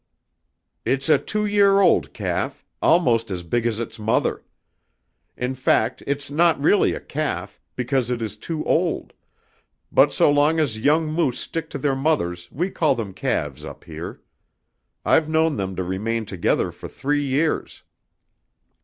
"It's a two year old calf; almost as big as its mother. In fact, it's not really a calf, because it is too old; but so long as young moose stick to their mothers we call them calves up here. I've known them to remain together for three years."